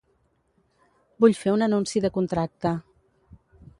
Vull fer un anunci de contracte.